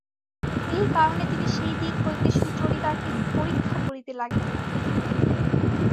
এই কারণে তিনি সেই দিক হইতে সুচরিতাকে পরীক্ষা করিতে লাগিলেন।